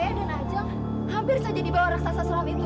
saya dan ajel hampir saja dibawa raksasa seram itu